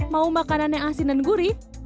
mau makanan yang asin dan gurih